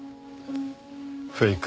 フェイク